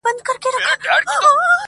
o اختر نژدې دی.